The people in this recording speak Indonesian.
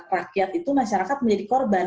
rakyat itu masyarakat menjadi korban